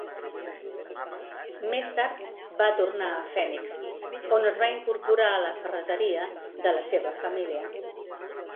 Més tard va tornar a Phoenix on es va incorporar a la ferreteria de la seva família.